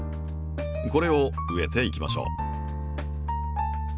これを植えていきましょう。